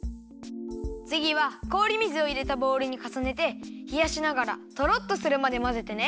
つぎはこおり水をいれたボウルにかさねてひやしながらとろっとするまでまぜてね。